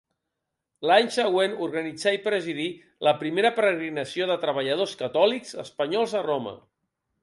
L'any següent organitzà i presidí la primera peregrinació de treballadors catòlics espanyols a Roma.